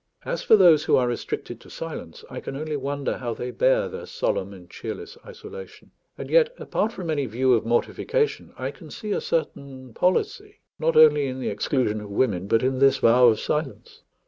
As for those who are restricted to silence, I can only wonder how they bear their solemn and cheerless isolation. And yet, apart from any view of mortification, I can see a certain policy, not only in the exclusion of women, but in this vow of silence.